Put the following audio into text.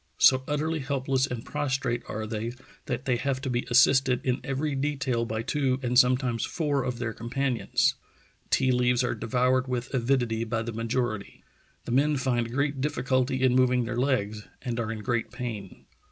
So utterly helpless and prostrate are they that they have to be assisted in every detail by two and sometimes four of their companions. ... Tea leaves are devoured with avidity by the majority. ... The men find great difficulty in moving their legs, and are in great pain. ..